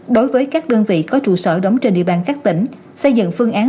đối với các đơn vị có trụ sở đóng trên địa bàn các tỉnh xây dựng phương án